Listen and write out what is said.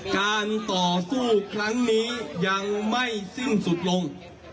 การต่อสู้ครั้งนี้ยังไม่สิ้นสุดลง